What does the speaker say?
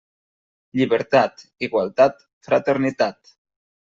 Llibertat, Igualtat, Fraternitat.